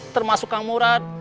termasuk kamu rad